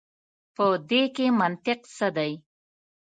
په دې کي منطق څه دی.